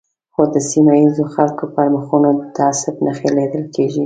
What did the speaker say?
خو د سیمه ییزو خلکو پر مخونو د تعصب نښې لیدل کېږي.